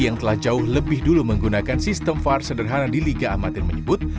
yang telah jauh lebih dulu menggunakan sistem var sederhana di liga amatir menyebut